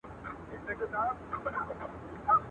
په خپل کور کي چي ورلوېږي زیندۍ ورو ورو.